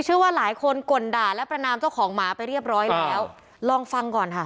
เชื่อว่าหลายคนก่นด่าและประนามเจ้าของหมาไปเรียบร้อยแล้วลองฟังก่อนค่ะ